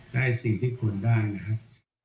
ได้สิ่งที่ควรได้นะครับ